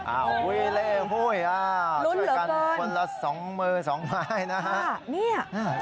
อ้าวอุ๊ยอ้าวช่วยกันคนละ๒มือ๒ไม้นะครับ